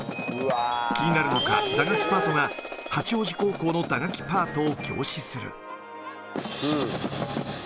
気になるのか、打楽器パートが八王子高校の打楽器パートを凝視する。